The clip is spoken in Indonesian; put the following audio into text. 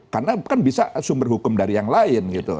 karena kan bisa sumber hukum dari yang lain gitu